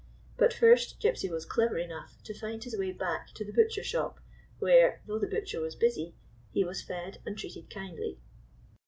But first Gypsy was clever enough to find his way back to the butcher shop, where, though the butcher was busy, he was fed and treated kindly.